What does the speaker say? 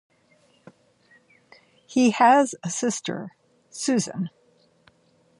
He has a sister, Susan.